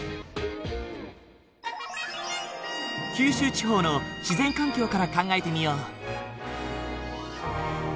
九州地方の自然環境から考えてみよう。